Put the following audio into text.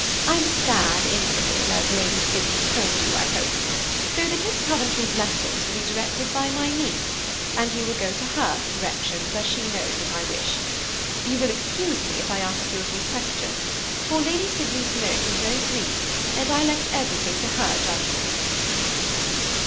I'm a sad invalid, as Lady Sydney told you, I hope; so that Miss Coventry's lessons will be directed by my niece, and you will go to her for directions, as she knows what I wish. You will excuse me if I ask you a few questions, for Lady Sydney's note was very brief, and I left everything to her judgment."